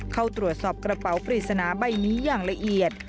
เข้าตรวจสอบกระเป๋าปริศนาใบนี้อย่างละเอียด